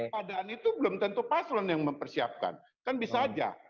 padaan itu belum tentu paslon yang mempersiapkan kan bisa aja